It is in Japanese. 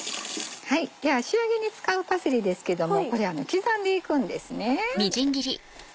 では仕上げに使うパセリですけども刻んでいくんですね。